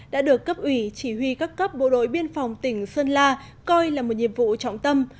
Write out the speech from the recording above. đã được cấp ủy chỉ huy các cấp bộ đội biên phòng tỉnh sơn la coi là một nhiệm vụ trọng tâm